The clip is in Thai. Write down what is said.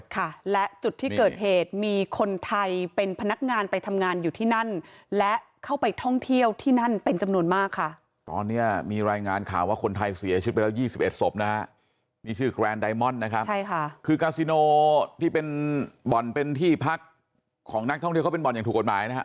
คือกาซิโนที่เป็นบ่อนเป็นที่พักของนักท่องเที่ยวเขาเป็นบ่อนอย่างถูกกฎหมายนะฮะ